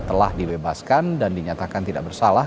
telah dibebaskan dan dinyatakan tidak bersalah